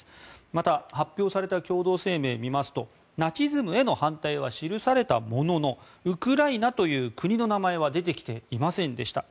また発表された共同声明を見ますと、ナチズムへの反対は記されたもののウクライナという国の名前は出てきていませんでした。